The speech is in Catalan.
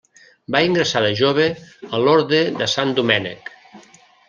Va ingressar de jove a l'Orde de Sant Domènec.